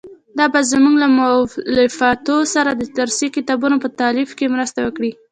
دا به زموږ له مؤلفانو سره د درسي کتابونو په تالیف کې مرسته وکړي.